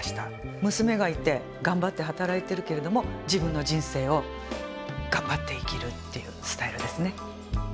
娘がいて頑張って働いてるけれども自分の人生を頑張って生きるっていうスタイルですね。